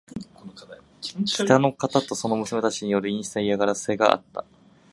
北の方とその娘たちによる陰湿な嫌がらせがあった。